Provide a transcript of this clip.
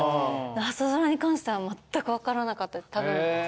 朝ドラに関してはまったく分からなかった。